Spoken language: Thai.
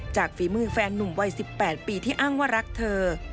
ฝีมือแฟนนุ่มวัย๑๘ปีที่อ้างว่ารักเธอ